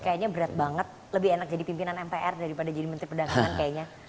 kayaknya berat banget lebih enak jadi pimpinan mpr daripada jadi menteri perdagangan kayaknya